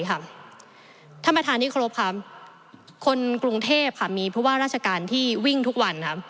ถ้ามันทานี่ครบคนกรุงเทพฯมีผู้ว่าราชการที่วิ่งทุกวัน